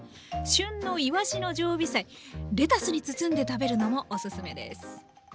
旬のいわしの常備菜レタスに包んで食べるのもお勧めです。